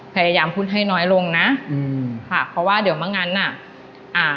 ก็ยำพูดให้น้อยลงนะเพราะว่าเดี๋ยวมั่งนั้น